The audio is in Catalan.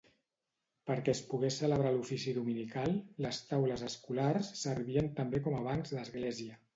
Perquè es pogués celebrar l'ofici dominical, les taules escolars servien també com a bancs d'església.